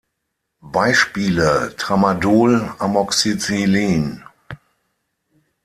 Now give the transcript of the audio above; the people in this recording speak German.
Beispiele: Tramadol, Amoxicillin.